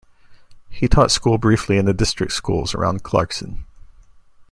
He taught school briefly in the district schools around Clarkson.